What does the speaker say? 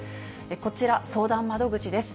こちら、相談窓口です。